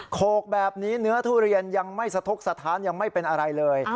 โขกแบบนี้เนื้อทุเรียนยังไม่สะทกสถานยังไม่เป็นอะไรเลย